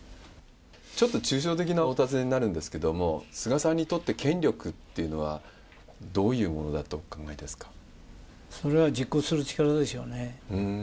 ちょっと抽象的なお尋ねになるんですけれども、菅さんにとって権力っていうのはどういうものだとそれは実行する力でしょうね。